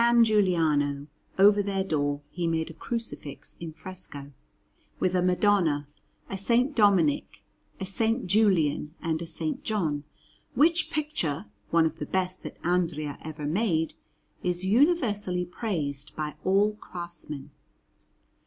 Giuliano, over their door, he made a Crucifix in fresco, with a Madonna, a S. Dominic, a S. Julian, and a S. John; which picture, one of the best that Andrea ever made, is universally praised by all craftsmen.